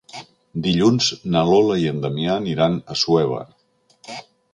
Dilluns na Lola i en Damià aniran a Assuévar.